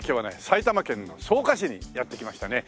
埼玉県の草加市にやって来ましたね。